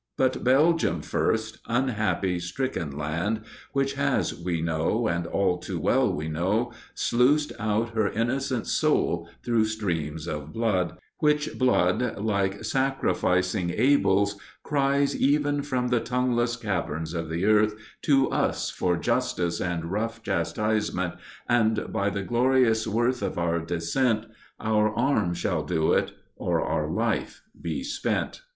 But Belgium first, unhappy, stricken land, Which has, we know, and all too well we know, Sluiced out her innocent soul through streams of blood, Which blood, like sacrificing Abel's, cries, Even from the tongueless caverns of the earth, To us for justice and rough chastisement, And, by the glorious worth of our descent, Our arm shall do it, or our life be spent.